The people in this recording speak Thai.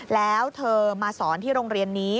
แล้วเธอมาสอนที่โรงเรียนนี้